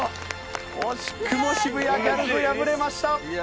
惜しくも渋谷ギャルズ敗れました。